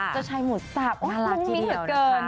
เจ้าชายหมูสับน่ารักมิ้นเหลือเกิน